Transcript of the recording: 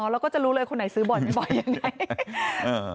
อ๋อแล้วก็จะรู้เลยคนไหนซื้อบ่อยบ่อยอย่างไร